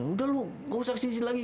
udah lu nggak usah kesini sini lagi